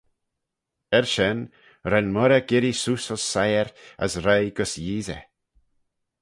Er shen ren Moirrey girree seose ayns siyr as roie gys Yeesey.